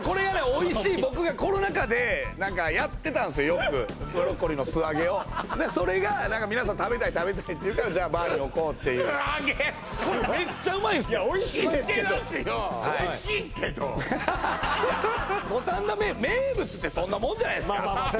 おいしい僕がコロナ禍で何かやってたんすよよくブロッコリーの素揚げをそれが何か皆さん食べたい食べたいって言うからじゃあバーに置こうっていう素揚げってメッチャうまいんすよいやおいしいですけどおいしいけど五反田名物名物ってそんなもんじゃないすかまあまあまあ